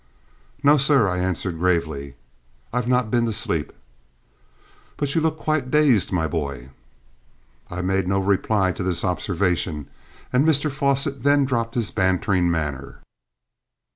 "No, sir," I answered gravely; "I've not been to sleep." "But you look quite dazed, my boy." I made no reply to this observation, and Mr Fosset then dropped his bantering manner.